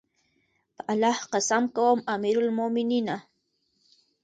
په الله قسم کوم امير المؤمنینه!